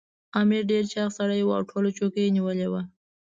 امیر ډېر چاغ سړی وو او ټوله چوکۍ یې نیولې وه.